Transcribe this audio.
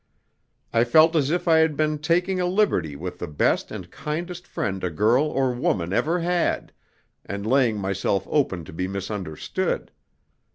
I felt as if I had been taking a liberty with the best and kindest friend a girl or woman ever had, and laying myself open to be misunderstood.